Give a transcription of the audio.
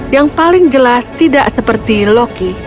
yang paling jelas tidak seperti loki